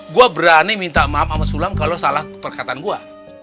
gue berani minta maaf sama sulam kalau salah perkataan gue